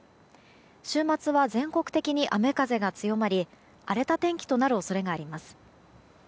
週末は全国的に雨風が強まり荒れた天気となる恐れがあります。